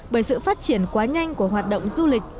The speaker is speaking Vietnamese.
bởi sự phát triển quá nhanh của hoạt động du lịch